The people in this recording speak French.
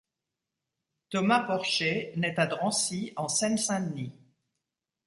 Thomas Porcher nait à Drancy en Seine-Saint-Denis.